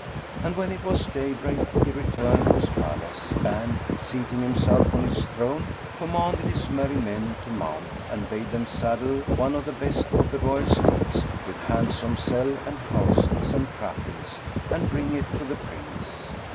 And when it was day break he returned to his palace and, seating himself on his throne, commanded his merry men to mount and bade them saddle one of the best of the royal steeds with handsome selle and housings and trappings and bring it to the Prince.